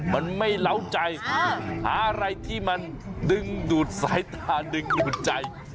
มันไม่เล้าใจหาอะไรที่มันดึงดูดสายตาดึงดูดใจ